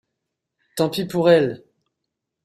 Tant pis pour elles.